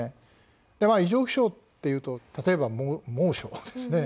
異常気象っていうと例えば猛暑ですね。